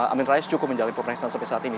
amin rais cukup menjalani pemeriksaan sampai saat ini